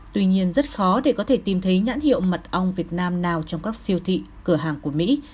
tuy nhiên rất khó để có thể tìm thấy nhãn hiệu mật ong việt nam nào trong các siêu thị cửa hàng của mỹ